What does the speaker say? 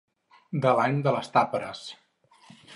De l'any de les tàperes.